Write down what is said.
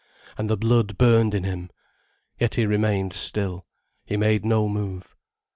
And the blood burned in him. Yet he remained still, he made no move.